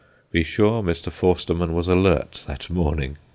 Be sure Mr. Forstermann was alert that morning!